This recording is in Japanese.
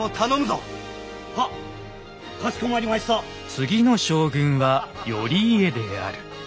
次の将軍は頼家である。